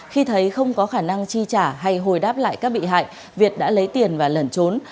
khi thấy không có khả năng chi trả hay hồi đáp lại các bị hại việt đã lấy tiền và lẩn trốn